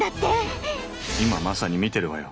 今まさに見てるわよ。